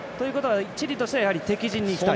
チリとしてはやはり敵陣に行きたい。